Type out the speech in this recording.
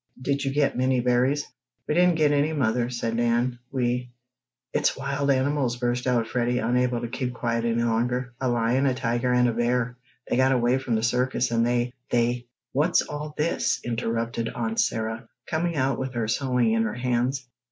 Did you get many berries?" "We didn't get any, mother," said Nan. "We " "It's wild animals!" burst out Freddie, unable to keep quiet any longer. "A lion, a tiger and a bear! They got away from the circus, and they they " "What's all this?" interrupted Aunt Sarah, coming out with her sewing in her hands.